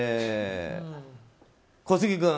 小杉君。